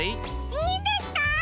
いいんですか！？